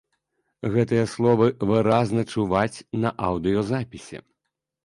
Гэтыя словы выразна чуваць на аўдыёзапісе.